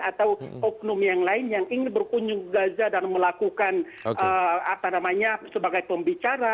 atau oknum yang lain yang ingin berkunjung gajah dan melakukan sebagai pembicara